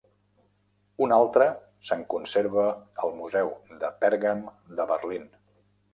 Una altra se'n conserva al Museu de Pèrgam de Berlín.